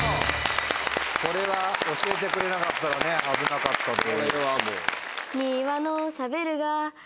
これは教えてくれなかったら危なかったです。